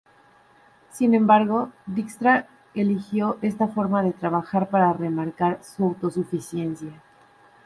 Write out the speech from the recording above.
Sin embargo, Dijkstra eligió esta forma de trabajar para remarcar su autosuficiencia.